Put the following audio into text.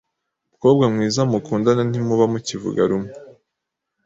umukobwa mwiza mukundana ntimuba mukivuga rumwe